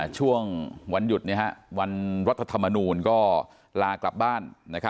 ช่วงวันหยุดวันรัฐธรรมนูลก็ลากลับบ้าน